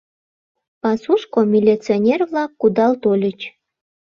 Пасушко милиционер-влак кудал тольыч.